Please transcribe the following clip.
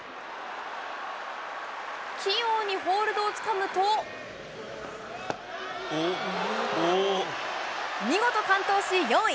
器用にホールドをつかむと、見事完登し、４位。